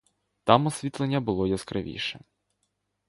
Там освітлення було яскравіше.